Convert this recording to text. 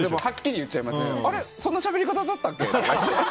そんなしゃべり方だったっけ？